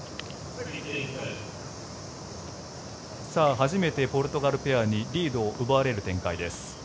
初めてポルトガルペアにリードを奪われる展開です。